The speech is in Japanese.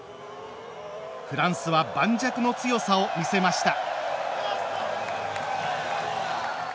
フランスは盤石の強さを見せました。